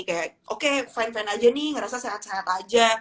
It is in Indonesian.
kayak oke fine fine aja nih ngerasa sehat sehat aja